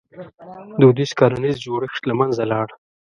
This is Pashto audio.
• دودیز کرنیز جوړښت له منځه ولاړ.